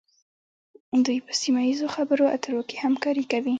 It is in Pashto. دوی په سیمه ایزو خبرو اترو کې همکاري کوي